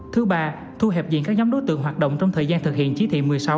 thứ ba thu hẹp diện các nhóm đối tượng hoạt động trong thời gian thực hiện chỉ thị một mươi sáu